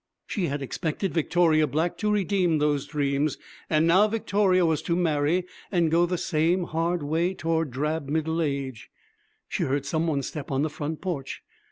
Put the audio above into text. She had expected Victoria Black to redeem those dreams. And now Victoria was to marry and go the same hard way toward drab middle age. She heard some one step on the front porch.